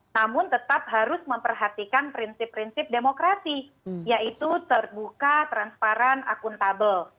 namun tetap harus memperhatikan prinsip prinsip demokrasi yaitu terbuka transparan akuntabel